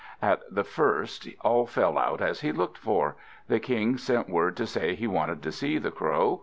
At the first all fell out as he looked for. The King sent word to say he wanted to see the Crow.